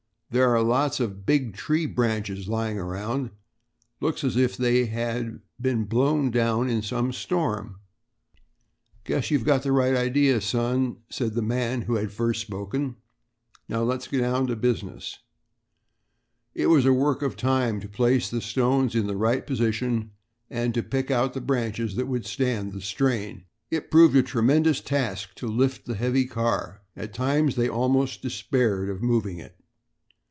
"There are lots of big tree branches lying around. Looks as if they had been blown down in some storm. We can use them for levers." "Guess you've got the right idea, son," said the man who had first spoken. "Now let's get down to business." It was a work of time to place the stones in the right position and to pick out branches that would stand the strain. It proved a tremendous task to lift the heavy car. At times they almost despaired of moving it.